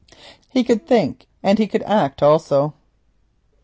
He could think and he could act also.